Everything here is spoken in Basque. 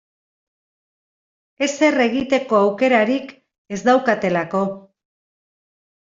Ezer egiteko aukerarik ez daukatelako.